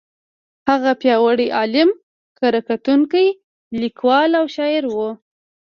هغه پیاوړی عالم، کره کتونکی، لیکوال او شاعر و.